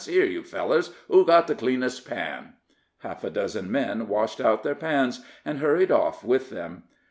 Here, you fellers who's got the cleanest pan?" Half a dozen men washed out their pans, and hurried off with them.